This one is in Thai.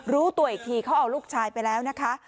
รู้ตัวอีกทีเขาเอาลูกชายไปแล้วนะคะ